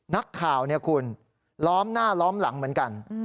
นักข่าวคุณล้อมหน้าล้อมหลังเหมือนกัน